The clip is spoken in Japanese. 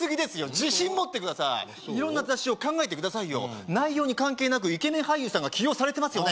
自信持ってください色んな雑誌を考えてくださいよ内容に関係なくイケメン俳優さんが起用されてますよね